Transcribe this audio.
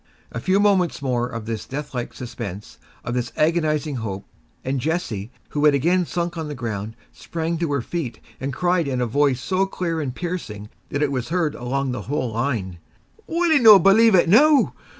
A few moments more of this deathlike suspense, of this agonizing hope, and Jessie, who had again sunk on the ground, sprang to her feet, and cried in a voice so clear and piercing that it was heard along the whole line: "Will ye no believe it noo?